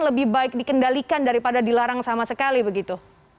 lebih baik dikendalikan daripada dilarang sama sekali begitu